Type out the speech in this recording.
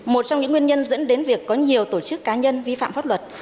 một trong những nguyên nhân dẫn đến việc có nhiều tổ chức cá nhân vi phạm pháp luật